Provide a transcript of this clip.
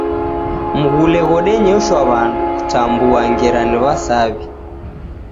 Mghule ghodenyoshwa w'andu kutambua ngera ni w'asaw'i.